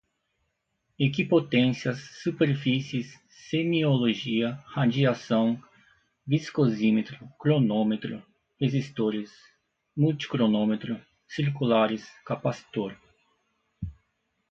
equipotenciais, superfícies, semiologia, radiação, viscosímetro, cronômetro, resistores, multicronômetro, circulares, capacitor